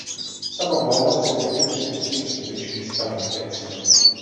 Sama vláda si nechce připustit skutečný stav věcí.